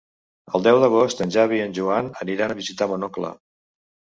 El deu d'agost en Xavi i en Joan aniran a visitar mon oncle.